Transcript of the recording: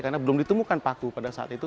karena belum ditemukan paku pada saat itu